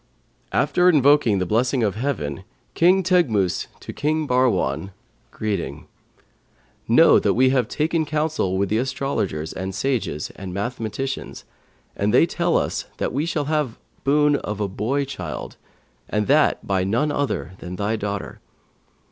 'After invoking the blessing of Heaven, King Teghmus to King Bahrwan, greeting. Know that we have taken counsel with the astrologers and sages and mathematicians, and they tell us that we shall have boon of a boy child, and that by none other than thy daughter.